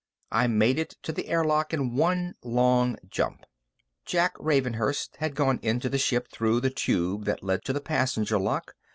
I made it to the air lock in one long jump. Jack Ravenhurst had gone into the ship through the tube that led to the passenger lock.